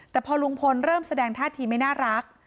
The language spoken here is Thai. แต่พอลุงพลเริ่มแสดงท่าทีไม่น่ารัก